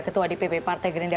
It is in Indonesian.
ketua dpp partai gerindia